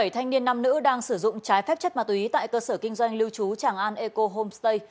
bảy thanh niên nam nữ đang sử dụng trái phép chất ma túy tại cơ sở kinh doanh lưu trú tràng an eco homestay